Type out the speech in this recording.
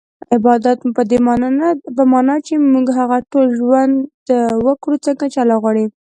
عبادت په دې مانا چي موږ هغه ډول ژوند وکړو څنګه چي الله غواړي